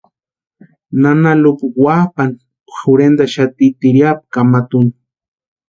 Nana Lupa wapʼani jorhentaxati tiriapu kamatu úni.